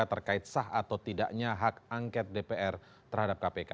terkait sah atau tidaknya hak angket dpr terhadap kpk